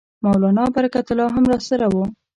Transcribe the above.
مولنا برکت الله هم راسره وو.